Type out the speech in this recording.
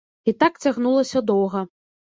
І так цягнулася доўга.